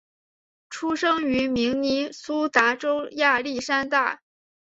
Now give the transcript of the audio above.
出生于明尼苏达州亚历山大。